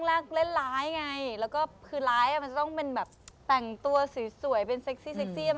รวมดิรวมดิ